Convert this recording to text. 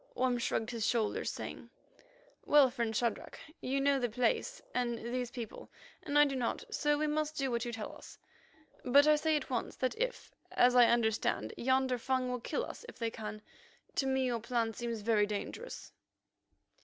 Orme shrugged his shoulders, saying: "Well, friend Shadrach, you know the place and these people, and I do not, so we must do what you tell us. But I say at once that if, as I understand, yonder Fung will kill us if they can, to me your plan seems very dangerous."